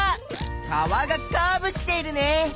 川がカーブしているね！